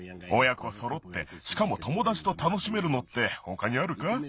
おや子そろってしかもともだちとたのしめるのってほかにあるか？